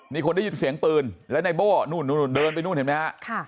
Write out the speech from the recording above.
นี่คนได้ยินเสียงปืนและไนโบ้เดินไปนู่นเห็นมั้ยฮะ